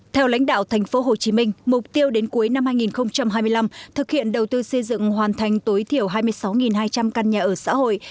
theo lãnh đạo tp hcm mục tiêu đến cuối năm hai nghìn hai mươi năm thực hiện đầu tư xây dựng hoàn thành tối thiểu hai mươi sáu hai trăm linh căn nhà ở xã hội